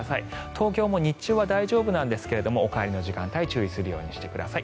東京も日中は大丈夫なんですがお帰りの時間帯注意するようにしてください。